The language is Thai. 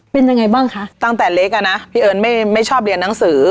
เป็นยังไงบ้างคะตั้งแต่เล็กอ่ะนะพี่เอิญไม่ไม่ชอบเรียนหนังสือ